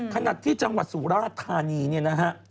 ขณะที่จังหวัดสุราธานีเนี่ยนะฮะ